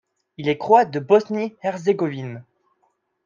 Il est croate de Bosnie-Herzégovine.